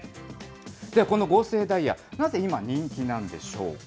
では、この合成ダイヤ、なぜ今、人気なんでしょうか。